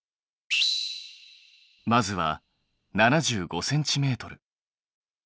まずは７５ｃｍ。